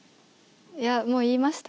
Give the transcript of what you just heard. いやもう言いました。